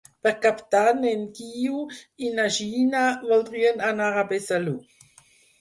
Per Cap d'Any en Guiu i na Gina voldrien anar a Besalú.